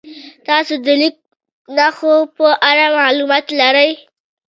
تاسې د لیک نښو په اړه معلومات لرئ؟